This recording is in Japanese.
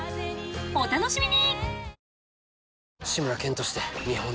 お楽しみに！］